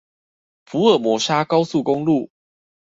福爾摩沙高速公路